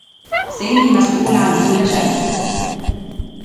سامي مسؤول عن كلّ شيء.